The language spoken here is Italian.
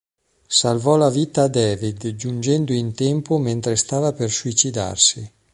Salvò la vita a David giungendo in tempo mentre stava per suicidarsi.